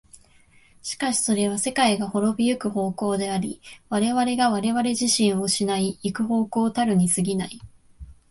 しかしそれは世界が亡び行く方向であり、我々が我々自身を失い行く方向たるに過ぎない。